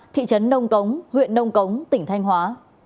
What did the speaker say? thị trấn nông cống huyện nông cống tỉnh thanh hóa